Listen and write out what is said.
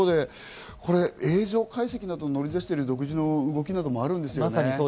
映像解析などに乗り出している独自の動きなどもあるんですよね。